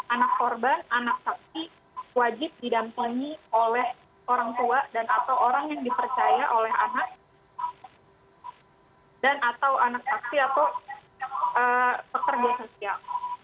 anak korban anak saksi wajib didampingi oleh orang tua dan atau orang yang dipercaya oleh anak dan atau anak saksi atau pekerja sosial